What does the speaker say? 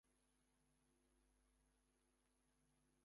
I can recall nothing worse.